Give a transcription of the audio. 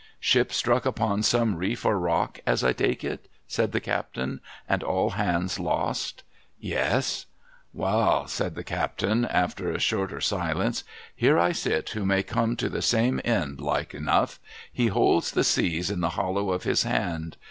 ' Ship struck upon some reef or rock, as I take it,' said the captain, ' and all hands lost ?'* Yes.' ' Wa'al !' said the captain, after a shorter silence, ' Here I sit who may come to the same end, like enough. He holds the seas in the hollow of His hand.